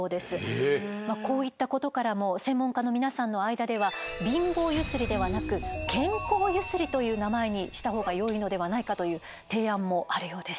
こういったことからも専門家の皆さんの間では「貧乏ゆすり」ではなく「健康ゆすり」という名前にしたほうがよいのではないかという提案もあるようです。